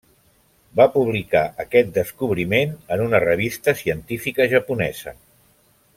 Va publicar aquest descobriment en una revista científica japonesa.